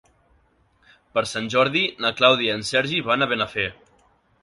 Per Sant Jordi na Clàudia i en Sergi van a Benafer.